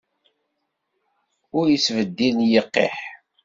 Ur yettbeddil yiqiḥ.